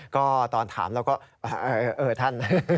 ก็ตอนถามเราก็เออท่าน